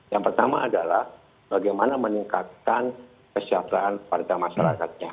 yang pertama adalah bagaimana meningkatkan kesehatan warga masyarakatnya